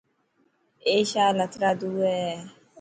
اي هٿرادو شال هي.